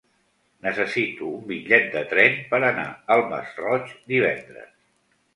Necessito un bitllet de tren per anar al Masroig divendres.